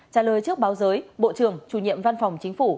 trả lời trước báo giới bộ trưởng chủ nhiệm văn phòng chính phủ